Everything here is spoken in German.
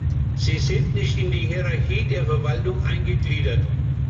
Sie sind nicht in die Hierarchie der Verwaltung eingegliedert.